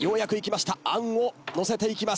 あんを載せていきます。